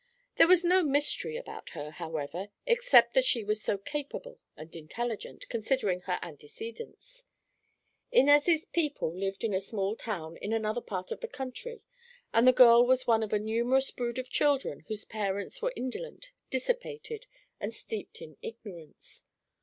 There was no mystery about her, however, except that she was so capable and intelligent, considering her antecedents. Inez' people lived in a small town in another part of the county and the girl was one of a numerous brood of children whose parents were indolent, dissipated and steeped in ignorance.